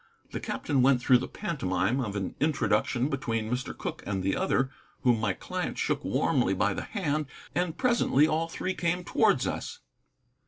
The captain went through the pantomime of an introduction between Mr. Cooke and the other, whom my client shook warmly by the hand, and presently all three came towards us.